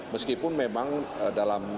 meskipun memang dalam